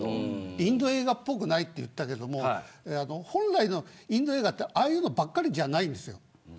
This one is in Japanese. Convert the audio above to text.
インド映画っぽくないって言ったけど本来のインド映画ってああいうのばかりじゃないんですよ。